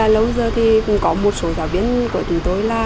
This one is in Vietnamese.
lâu giờ thì cũng có một số giáo viên của chúng tôi là